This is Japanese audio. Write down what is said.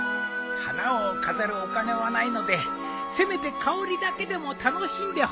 花を飾るお金はないのでせめて香りだけでも楽しんでほしいと。